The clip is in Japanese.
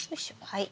はい。